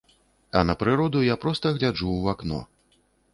А на прыроду я проста гляджу ў вакно.